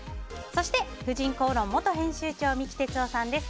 そして「婦人公論」元編集長三木哲男さんです。